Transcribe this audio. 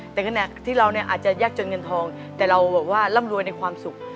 แต่ขณะที่เราเนี่ยอาจจะยากจนเงินทองแต่เราแบบว่าร่ำรวยในความสุข